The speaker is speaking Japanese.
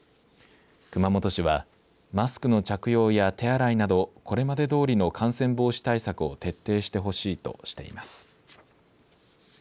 熊本市はマスクの着用や手洗いなどこれまでどおりの感染防止対策を徹底してほしいとしています。